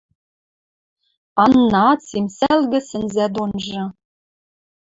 Аннаат симсӓлгӹ сӹнзӓ донжы